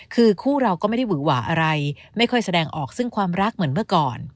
คือคู่เราก็ไม่ได้หวือหวาอะไรไม่ค่อยแสดงออกซึ่งความรักเหมือนเมื่อก่อน